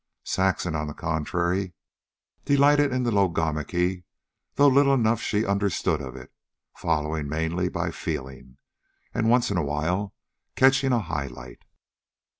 Saxon, on the contrary, delighted in the logomachy, though little enough she understood of it, following mainly by feeling, and once in a while catching a high light.